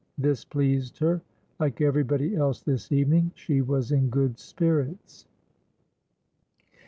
This pleased her. Like everybody else this evening, she was in good spirits.